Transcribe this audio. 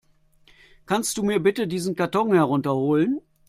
Kannst du mir bitte diesen Karton herunter holen?